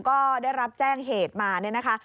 ก็ได้รับแจ้งเหตุมาเนี่ยนะคะ